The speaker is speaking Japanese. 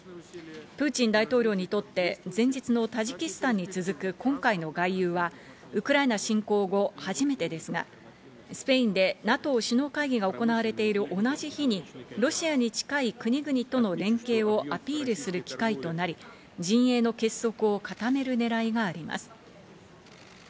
プーチン大統領にとって前日のタジキスタンに続く今回の外遊はウクライナ侵攻後初めてですが、スペインでＮＡＴＯ首脳会議が行われている同じ日にロシアに近い国々との連携をアピールする機会となり、陣営の結束を固める狙いがあります。